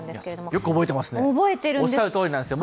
よく覚えてますね、おっしゃるとおりなんですよ。